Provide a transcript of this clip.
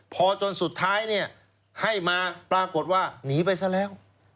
พอจนสุดท้ายเนี่ยให้มาปรากฏว่าหนีไปซะแล้ว